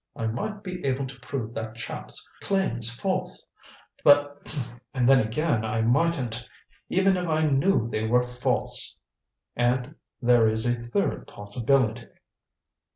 I might be able to prove that chap's claims false and then again I mightn't, even if I knew they were false. And there is a third possibility."